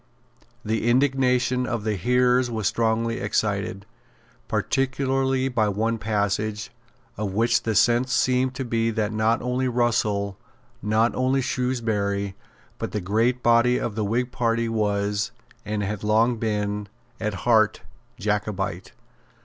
The indignation of the hearers was strongly excited, particularly by one passage, of which the sense seemed to be that not only Russell, not only Shrewsbury, but the great body of the Whig party was, and had long been, at heart Jacobite.